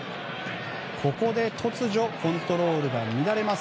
ここで突如コントロールが乱れます。